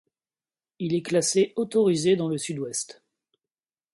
Il est classé autorisé dans le Sud-Ouest.